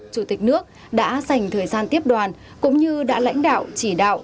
chủ tịch nước đã dành thời gian tiếp đoàn cũng như đã lãnh đạo chỉ đạo